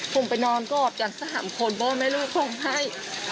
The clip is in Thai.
ผมไปนอนก็อบจันทร์สามคนบอกใหม่ลูกผมให้